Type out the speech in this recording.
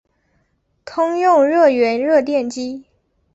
通用热源热电机。